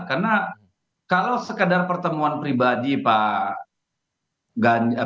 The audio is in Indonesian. karena kalau sekedar pertemuan pribadi pak ramu